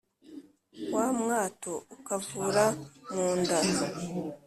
wa mwato ukavura mu nda.